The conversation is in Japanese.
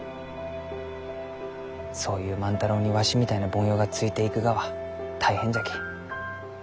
そういう万太郎にわしみたいな凡庸がついていくがは大変じゃき。